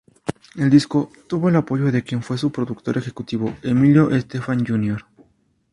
El disco tuvo el apoyo de quien fue su productor ejecutivo Emilio Estefan Jr.